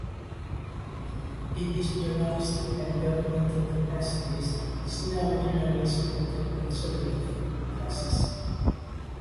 In his journalistic and governmental capacities, Snow generally supported conservative causes.